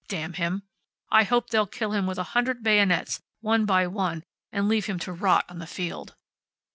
Damn him! I hope they'll kill him with a hundred bayonets, one by one, and leave him to rot on the field.